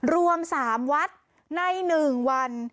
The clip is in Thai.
รวม๓วัดใน๑วัน